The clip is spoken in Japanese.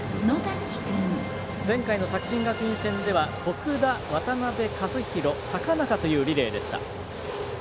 前回の作新学院戦では徳田、渡辺和大坂中というリレーでした。